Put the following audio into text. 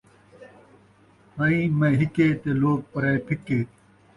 سئیں مئیں ہکے تے لوک پرائے پھِکے